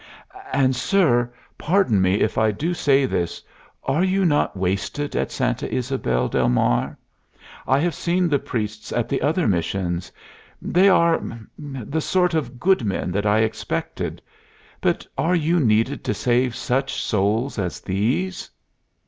"And, sir pardon me if I do say this are you not wasted at Santa Ysabel del Mar? I have seen the priests at the other missions. They are the sort of good men that I expected. But are you needed to save such souls as these?"